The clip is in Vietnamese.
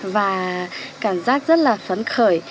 và cảm giác rất là phấn khởi